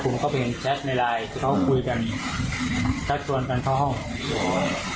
ผมก็ไปเห็นแชทในไลน์เมืองที่เค้าคุยกัน